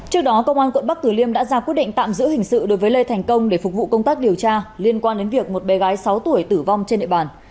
trước đó công an quận bắc tử liêm đã ra quyết định tạm giữ hình sự đối với lê thành công để phục vụ công tác điều tra liên quan đến việc một bé gái sáu tuổi tử vong trên địa bàn